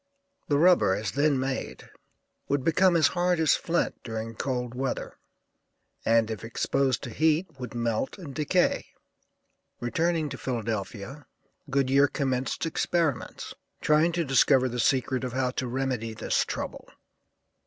The rubber, as then made, would become as hard as flint during cold weather, and if exposed to heat would melt and decay. Returning to Philadelphia, Goodyear commenced experiments, trying to discover the secret of how to remedy this trouble.